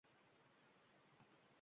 Quvonchdan qo’rqmaydi, dardni sevmaydi.